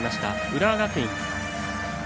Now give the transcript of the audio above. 浦和学院